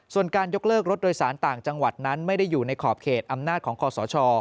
ส่วนการยกเลิกรถโดยสารต่างจังหวัดนั้นไม่ได้อยู่ในขอบเขตอำนาจของคอสช